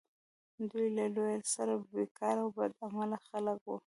دوی له لویه سره بیکاره او بد عمله خلک وه.